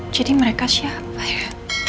jadi mereka siapa ya